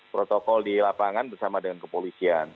protokol di lapangan bersama dengan kepolisian